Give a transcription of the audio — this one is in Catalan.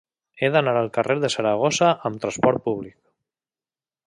He d'anar al carrer de Saragossa amb trasport públic.